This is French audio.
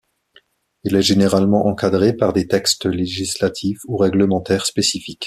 Il est généralement encadré par des textes législatifs ou réglementaires spécifiques.